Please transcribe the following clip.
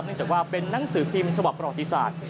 จากว่าเป็นนังสือพิมพ์ฉบับประวัติศาสตร์